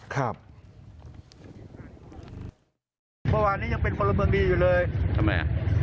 ครับ